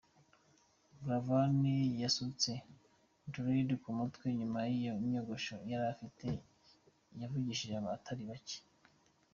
Buravan yasutse Dread ku mutwe nyuma y’inyogosho yarafite yavugishije abatari bake.